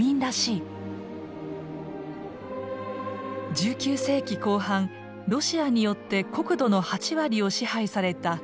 １９世紀後半ロシアによって国土の８割を支配されたウクライナ。